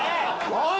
おい！